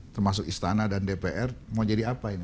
termasuk istana dan dpr mau jadi apa ini